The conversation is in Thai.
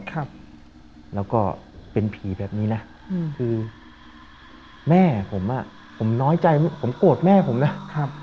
แล้วก็เป็นผีแบบนี้นะแม่ผมน้อยใจผมโกรธแม่ผมนะ